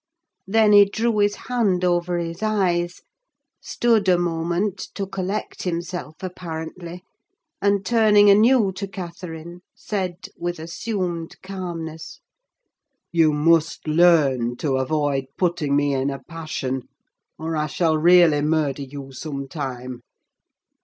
Then he drew his hand over his eyes, stood a moment to collect himself apparently, and turning anew to Catherine, said, with assumed calmness—"You must learn to avoid putting me in a passion, or I shall really murder you some time!